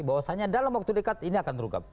bahwa seandainya dalam waktu dekat ini akan terungkap